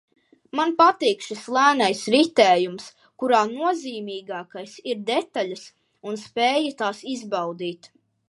Man patīk šis lēnais ritējums, kurā nozīmīgākas ir detaļas un spēja tās izbaudīt